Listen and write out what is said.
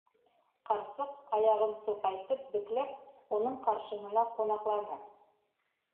- Ҡарсыҡ, аяғын суҡайтып бөкләп, уның ҡаршыһына ҡунаҡланы.